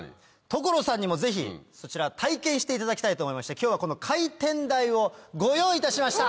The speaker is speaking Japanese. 所さんにもぜひそちら体験していただきたいと思いまして今日はこの回転台をご用意いたしました！